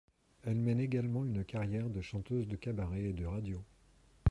Elle mène également une carrière de chanteuse de cabaret et de radio.